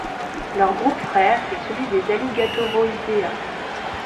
Leurs groupe frère est celui des Alligatoroidea.